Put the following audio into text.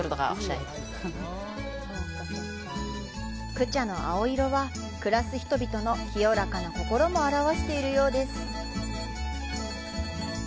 クチャの青色は、暮らす人々の清らかな心も表わしているようです。